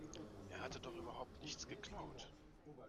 Er hatte doch überhaupt nichts geklaut.